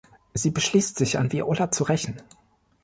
Sie beschließt, sich an Viola zu rächen.